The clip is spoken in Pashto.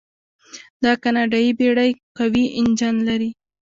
دا کاناډایي بیړۍ قوي انجن لري.